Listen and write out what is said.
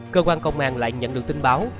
cơ quan công an lại nhận được tin báo